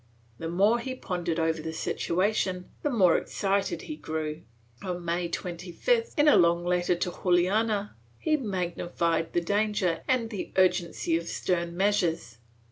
The more he pondered over the situation, the more excited he grew. On May 25th, in a long letter to Juana, he magnified the danger and the urgency of stern measures.